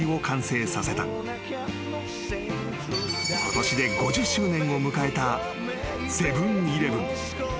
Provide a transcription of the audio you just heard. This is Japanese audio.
［ことしで５０周年を迎えたセブン―イレブン］